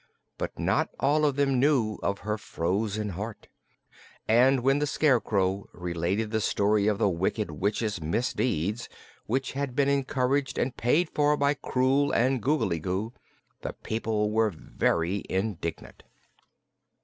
But not all of them knew of her frozen heart, and when the Scarecrow related the story of the Wicked Witch's misdeeds, which had been encouraged and paid for by Krewl and Googly Goo, the people were very indignant.